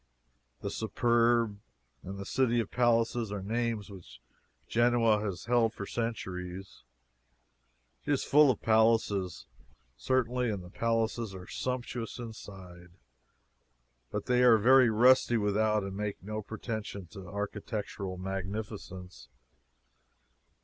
"The Superb" and the "City of Palaces" are names which Genoa has held for centuries. She is full of palaces, certainly, and the palaces are sumptuous inside, but they are very rusty without and make no pretensions to architectural magnificence.